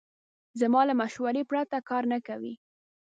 زما له مشورې پرته کار نه کوي.